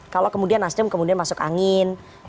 kalau kemudian nasdem kemudian masuk angin